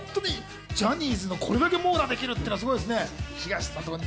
ジャニーズをこれだけ網羅できるってすごいですね。